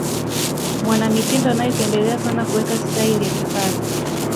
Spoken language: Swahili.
mwanamitindo anayependelea sana kuweka sitaili ya kipara